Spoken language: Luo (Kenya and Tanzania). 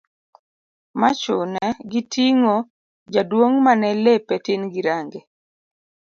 ma chune gi ting'o jaduong' mane lepe tin gi range